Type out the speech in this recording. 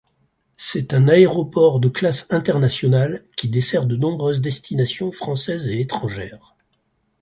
C’est un aéroport de classe internationale, qui dessert de nombreuses destinations françaises et étrangères.